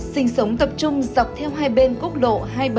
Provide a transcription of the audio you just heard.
sinh sống tập trung dọc theo hai bên cốc độ hai trăm bảy mươi chín